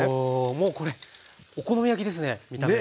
もうこれお好み焼きですね見た目。